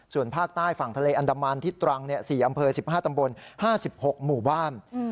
ส่วนภาคใต้ฝั่งทะเลอันดามันที่ตรัง๔อำเภอ๑๕ตำบล๕๖หมู่บ้าน